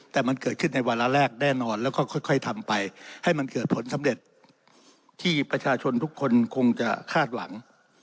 แต่มันเกิดขึ้นในวาระแรกแน่นอนแล้วก็ค่อยทำไปให้มันเกิดผลสำเร็จที่ประชาชนทุกคนคงจะคาดหวัง